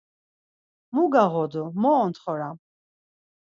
Mu gağodu, mo ontxoram?